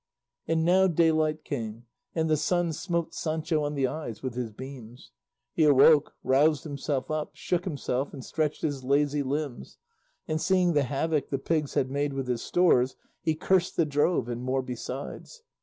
And now daylight came, and the sun smote Sancho on the eyes with his beams. He awoke, roused himself up, shook himself and stretched his lazy limbs, and seeing the havoc the pigs had made with his stores he cursed the drove, and more besides.